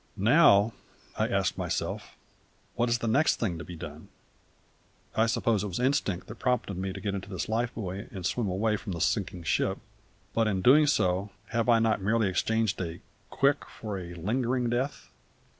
"Now," I asked myself, "what is the next thing to be done? I suppose it was instinct that prompted me to get into this life buoy and swim away from the sinking ship; but in doing so have I not merely exchanged a quick for a lingering death?